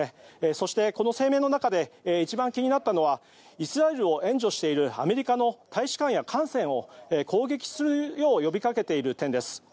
そして、この声明の中で一番気になったのはイスラエルを援助しているアメリカの大使館や艦船を攻撃するよう呼びかけている点です。